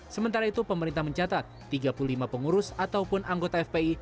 sementara itu pemerintah mencatat tiga puluh lima pengurus ataupun anggota fpi